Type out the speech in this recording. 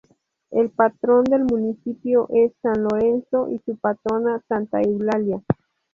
El patrón del municipio es San Lorenzo y su patrona Santa Eulalia.